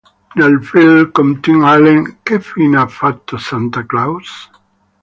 Nel film con Tim Allen "Che fine ha fatto Santa Clause?